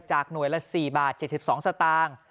หน่วยละ๔บาท๗๒สตางค์